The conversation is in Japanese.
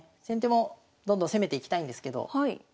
先手もどんどん攻めていきたいんですけど